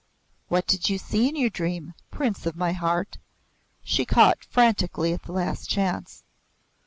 "What did you see in your dream, prince of my heart?" She caught frantically at the last chance.